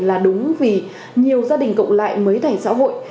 là đúng vì nhiều gia đình cộng lại mới thành xã hội